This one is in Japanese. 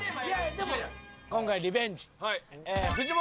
今回リベンジ。